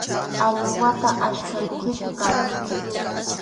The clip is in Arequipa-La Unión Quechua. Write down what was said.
Allin wata ackha kuhichu kan